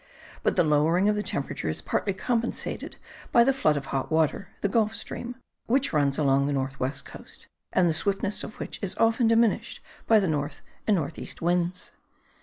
But the lowering of the temperature is partly compensated by the flood of hot water, the Gulf Stream, which runs along the north west coast, and the swiftness of which is often diminished by the north and north east winds.